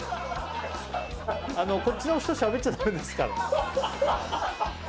こっちの人しゃべっちゃダメですからね。